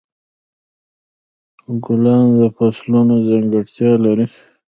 ګلان د فصلونو ځانګړتیا لري.